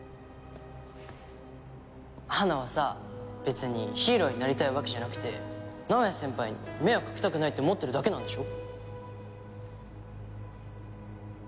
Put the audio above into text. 花はさ別にヒーローになりたいわけじゃなくて直哉先輩に迷惑かけたくないって思ってるだけなんでしょ？